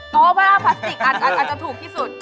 พลาสติกอ๋อพลาสติกอาจจะถูกที่สุด